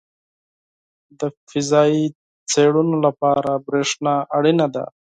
• د فضایي څېړنو لپاره برېښنا اړینه ده.